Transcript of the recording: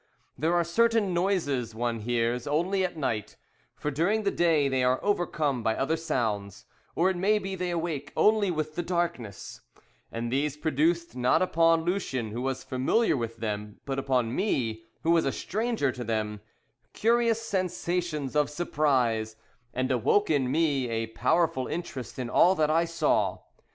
There are certain noises one hears only at night, for during the day they are overcome by other sounds, or it may be they awake only with the darkness, and these produced not upon Lucien, who was familiar with them, but upon me, who was a stranger to them, curious sensations of surprise, and awoke in me a powerful interest in all that I saw.